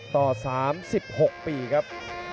ต่อ๓๖ปีครับ